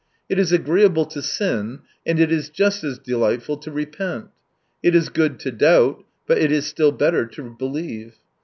It is agreeable to sin, and it is just as delightful to repent. It is good to doubt, but it is still better to believe.